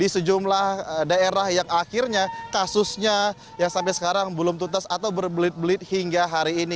di sejumlah daerah yang akhirnya kasusnya yang sampai sekarang belum tuntas atau berbelit belit hingga hari ini